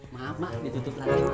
maaf mak ditutup lagi